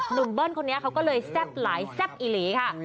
เบิ้ลคนนี้เขาก็เลยแซ่บหลายแซ่บอีหลีค่ะ